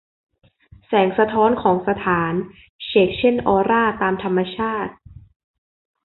แสงสะท้อนของสถาน เฉกเช่นออร่าตามธรรมชาติ